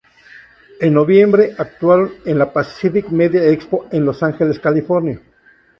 En noviembre, actuaron en la Pacific Media Expo en Los Angeles, California.